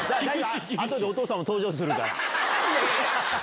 後でお父さんも登場するから。